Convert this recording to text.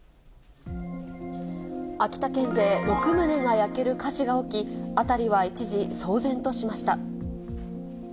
秋田県で６棟が焼ける火事が起き、辺りは一時、騒然としました。